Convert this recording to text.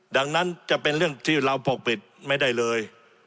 ดังนั้นจะเป็นเรื่องที่เราปกปิดไม่ได้เลย